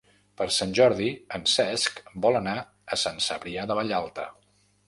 Per Sant Jordi en Cesc vol anar a Sant Cebrià de Vallalta.